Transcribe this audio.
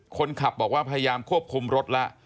คนขับบอกว่าพยายามควบคุมรถแล้ว